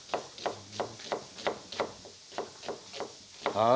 はい。